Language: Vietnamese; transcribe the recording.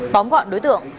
bóng gọn đối tượng